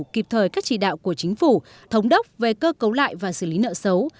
kịp thời các chỉ đạo của chính phủ thống đốc về cơ cấu lại và xử lý nợ xấu